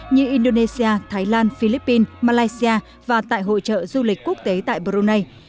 như indonesia thái lan philippines malaysia và tại hội trợ du lịch quốc tế tại brunei